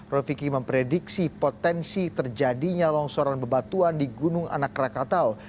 rofiki memprediksi potensi terjadinya longsoran bebatuan di gunung anak rakatau